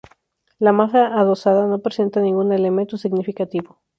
La masía adosada no presenta ningún elemento significativo.